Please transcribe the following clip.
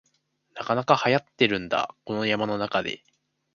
なかなかはやってるんだ、こんな山の中で